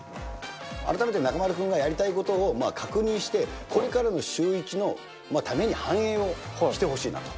改めて中丸君がやりたいことを確認して、これからのシューイチのために反映をしてほしいなと。